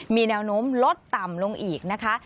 มีแนวโน้มลดต่ำลงอีกนะคะ